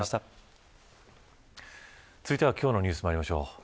続いては今日のニュースにまいりましょう。